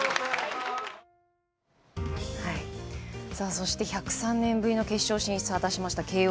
そして１０３年ぶりの決勝進出を果たした慶応。